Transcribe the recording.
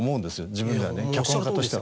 自分ではね脚本家としては。